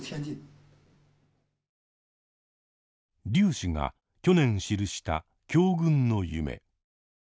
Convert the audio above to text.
劉氏が去年記した「強軍の夢」。